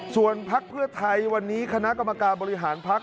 ส่วนพักเพื่อไทยวันนี้คณะกรรมการบริหารพักษ